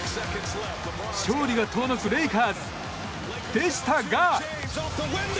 勝利が遠のくレイカーズでしたが。